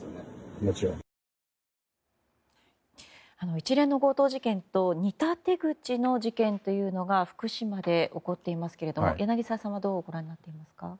一連の強盗事件と似た手口の事件というのが福島で起こっていますが柳澤さんはどうご覧になりますか？